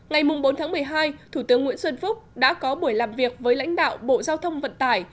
ngày bốn tháng một mươi hai thủ tướng nguyễn xuân phúc đã có buổi làm việc với lãnh đạo bộ giao thông vận tải